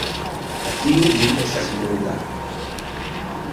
Tio nun estas moda.